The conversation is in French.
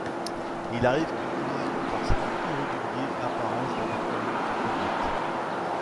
Il arrive qu'une division par ces nombres irréguliers apparaissent dans des problèmes sur tablettes.